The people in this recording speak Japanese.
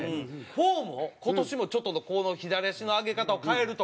フォームを今年もちょっと左足の上げ方を変えるとか。